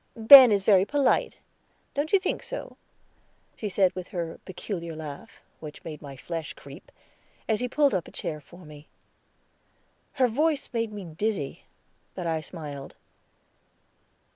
"Ben is very polite, don't you think so?" she said with her peculiar laugh, which made my flesh creep, as he pulled up a chair for me. Her voice made me dizzy, but I smiled.